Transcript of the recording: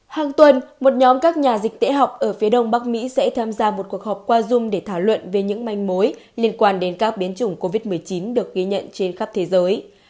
hàng tuần một nhóm các nhà dịch tễ học ở phía đông bắc mỹ sẽ tham gia một cuộc họp qua dung để thảo luận về những manh mối liên quan đến các biến chủng covid một mươi chín được ghi nhận trên khắp thế giới